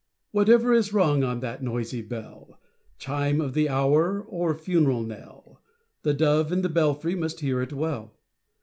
Whatever is rung on that noisy bell — Chime of the hour or funeral knell — The dove in the belfry must hear it well.